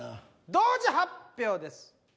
同時発表です。